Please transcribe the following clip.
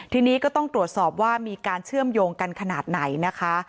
ทีนี้ก็ต้องตรวจสอบว่ามีการเชื่อมโยงกันขนาดไหนนะคะ